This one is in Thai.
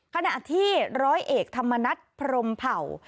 ขณะที่ร้อยเอกธรรมนัฐพรมเผ่า